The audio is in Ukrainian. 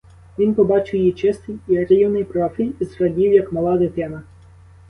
Він побачив її чистий і рівний профіль і зрадів, як мала дитина.